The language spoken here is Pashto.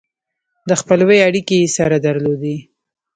د خپلوۍ اړیکې یې سره درلودې.